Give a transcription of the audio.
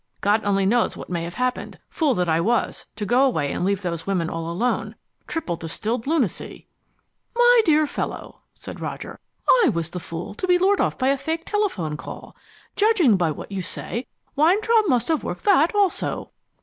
God only knows what may have happened. Fool that I was, to go away and leave those women all alone. Triple distilled lunacy!" "My dear fellow," said Roger, "I was the fool to be lured off by a fake telephone call. Judging by what you say, Weintraub must have worked that also."